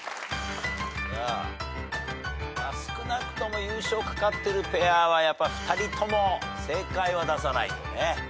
少なくとも優勝懸かってるペアはやっぱ２人とも正解は出さないとね。